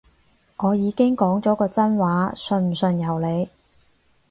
我已經講咗個真話，信唔信由你